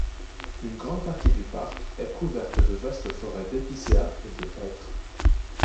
Une grande partie du parc est couverte de vastes forêts d'épicéas et de hêtres.